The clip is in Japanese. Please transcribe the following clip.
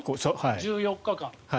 １４日間。